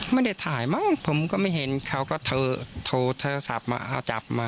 ไม่ได้ถ่ายมั้งผมก็ไม่เห็นเขาก็โทรศัพท์มาเอาจับมา